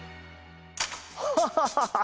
ハハハハハ！